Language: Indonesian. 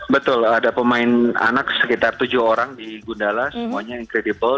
betul ada pemain anak sekitar tujuh orang di gundala semuanya incredibel